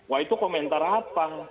wah itu komentar apa